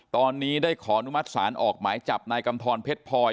ตอนนี้ได้ขออนุมัติศาลออกหมายจับนายกำทรเพชรพลอย